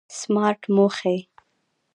سمارټ موخې